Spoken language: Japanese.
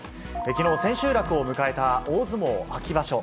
きのう千秋楽を迎えた、大相撲秋場所。